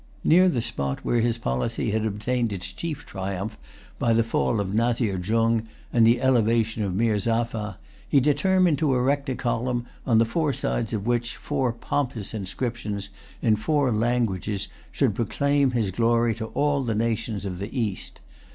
Near the spot where his policy had obtained its chief triumph, by the fall of Nazir Jung, and the elevation of Mirzapha, he determined to erect a column, on the four sides of which four pompous inscriptions, in four languages, should proclaim his glory to all the nations of the East.